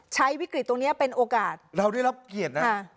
ใช้วิกฤตตรงเนี้ยเป็นโอกาสเราได้รับเกียรตินะ